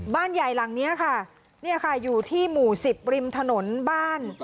ใหญ่หลังนี้ค่ะเนี่ยค่ะอยู่ที่หมู่๑๐ริมถนนบ้าน